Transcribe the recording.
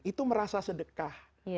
itu merasa sedekah